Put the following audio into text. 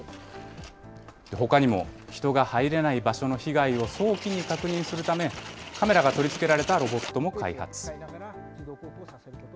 ほかにも、人が入れない場所の被害を早期に確認するため、カメラが取り付けられたロボットも開発。